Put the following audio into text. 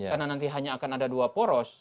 karena nanti hanya akan ada dua poros